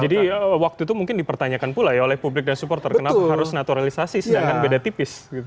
jadi waktu itu mungkin dipertanyakan pula ya oleh publik dan supporter kenapa harus naturalisasi sedangkan beda tipis